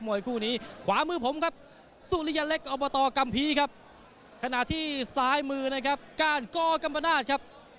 ไม่เป็นครับเสริมมาครับ